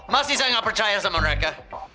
masih saya nggak percaya sama mereka